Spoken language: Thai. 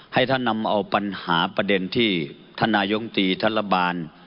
ให้ท่านทำเอาปัญหาประเด็นที่ทหารนายกงติธรรมบาน